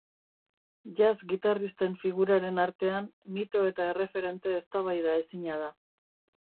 Jazz gitarristen figuraren artean mito eta erreferente eztabaidaezina da.